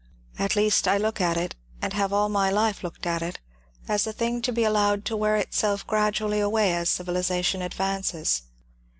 At least I look at it, and have all my life looked at it, as a thing to be allowed to wear itself gradu ally away as civilization advances.